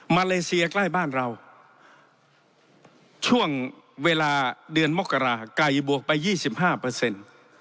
เลเซียใกล้บ้านเราช่วงเวลาเดือนมกราไก่บวกไปยี่สิบห้าเปอร์เซ็นต์